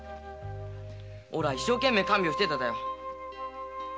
おらは一生懸命に看病してただよ。